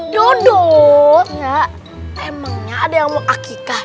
dodo emangnya ada yang mau akikah